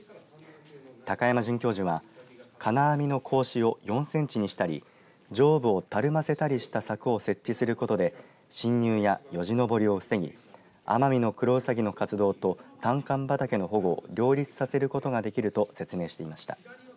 高山准教授は金網の格子を４センチにしたり上部をたるませたりした柵を設置することで侵入や、よじ登りを防ぎアマミノクロウサギの活動とたんかん畑の保護を両立させることができると説明していました。